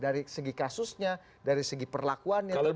dari segi kasusnya dari segi perlakuan yang terpasuk